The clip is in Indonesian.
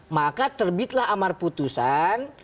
maka terbitlah amar putusan